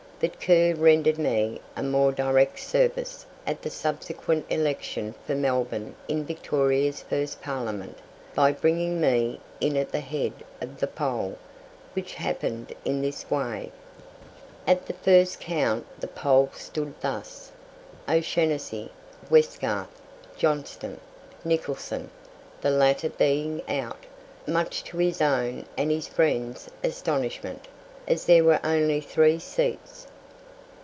But Kerr rendered me a more direct service at the subsequent election for Melbourne in Victoria's first Parliament, by bringing me in at the head of the poll, which happened in this way: At the first count the poll stood thus: O'Shanassy, Westgarth, Johnston, Nicholson, the latter being out, much to his own and his friends' astonishment, as there were only three seats.